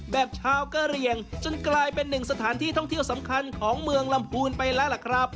แบบชาวกะเรียงจนกลายเป็นหนึ่งสถานที่ท่องเที่ยวสำคัญของเมืองลำพูนไปแล้วล่ะครับ